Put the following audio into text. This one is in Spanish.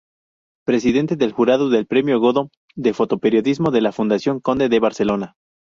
Presidente del jurado del Premio Godó de Fotoperiodismo de la Fundación Conde de Barcelona.